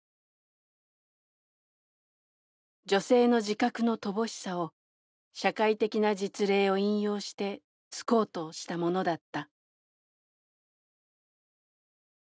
女性の自覚の乏しさを社会的な実例を引用して衝こうとしたものだった」。